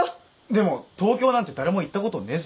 でも東京なんて誰も行ったことねえぞ。